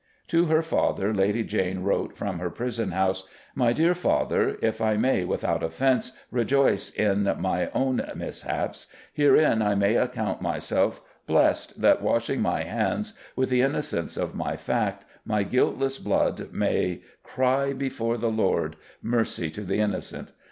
To her father Lady Jane wrote, from her prison house: "My deare father, if I may, without offence, rejoyce in my own mishaps, herein I may account myselfe blessed that washing my hands with the innocence of my fact, my guiltless bloud may cry before the Lord, Mercy to the innocent!...